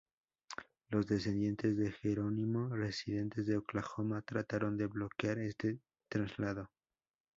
Los descendientes de Gerónimo residentes en Oklahoma trataron de bloquear este traslado.